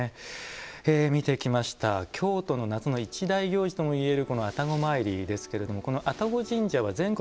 見てきました京都の夏の一大行事ともいえるこの愛宕詣りですけれどもこの愛宕神社は全国